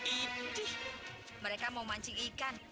ibu mereka mau mancing ikan